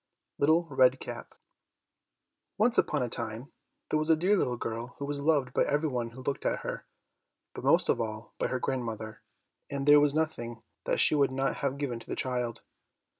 26 Little Red Cap Once upon a time there was a dear little girl who was loved by every one who looked at her, but most of all by her grandmother, and there was nothing that she would not have given to the child.